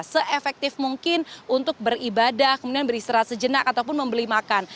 se efektif mungkin untuk beribadah kemudian beristirahat sejenak ataupun membeli makan